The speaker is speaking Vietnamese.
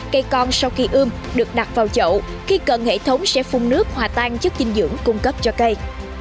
cây con sau khi ươm được đặt vào chậu khi cần hệ thống sẽ phun nước hòa tan chất dinh dưỡng cung cấp cho cây